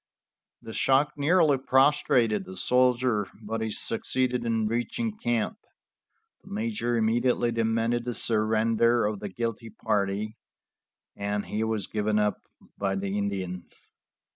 The shock nearly prostrated the soldier, but he succeeded in reaching camp. The major immediately demanded the surrender of the guilty party, and he was given up by the Indians.